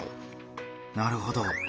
なるほど。